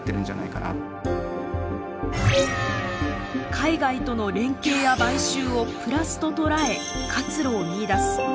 海外との連携や買収をプラスと捉え活路を見いだす。